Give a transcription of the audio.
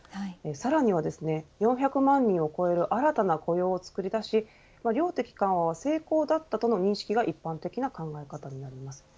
さらには４００万人を超える新たな雇用を作り出し量的緩和は成功だったとの認識は一般的な考え方になります。